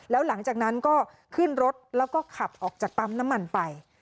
แล้วหลังจากนั้นก็ขึ้นรถแล้วก็ขับออกจากปั๊มน้ำมันไป